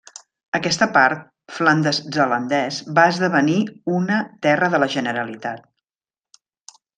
Aquesta part, Flandes Zelandès va esdevenir una Terra de la Generalitat.